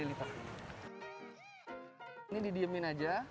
ini didiemin aja